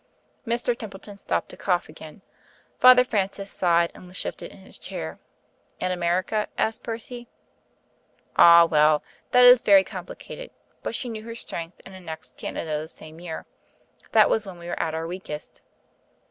Mr. Templeton stopped to cough again. Father Francis sighed and shifted in his chair. "And America?" asked Percy. "Ah! all that is very complicated. But she knew her strength and annexed Canada the same year. That was when we were at our weakest."